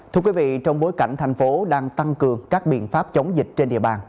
thưa quý vị trong bối cảnh thành phố đang tăng cường các biện pháp chống dịch trên địa bàn